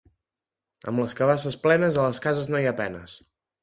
Amb les cabasses plenes, a les cases no hi ha penes.